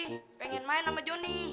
dia bilang kemari pengen main sama jonny